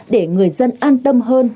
để người dân an tâm hơn